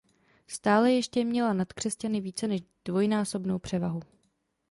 Stále ještě měla nad křesťany více než dvojnásobnou převahu.